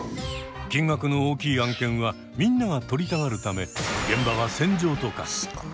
金額の大きい案件はみんなが取りたがるため現場は戦場と化す。